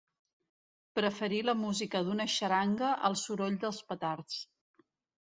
Preferir la música d'una xaranga al soroll dels petards.